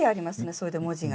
それで文字が。